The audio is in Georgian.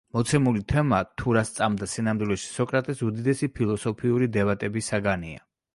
მოცემული თემა, თუ რა სწამდა სინამდვილეში სოკრატეს, უდიდესი ფილოსოფიური დებატების საგანია.